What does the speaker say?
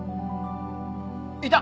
いた！